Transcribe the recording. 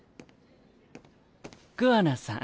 桑名さん